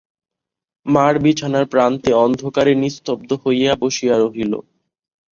মার বিছানার প্রান্তে অন্ধকারে নিস্তব্ধ হইয়া বসিয়া রহিল।